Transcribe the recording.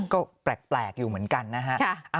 ก็แปลกอยู่เหมือนกันนะฮะ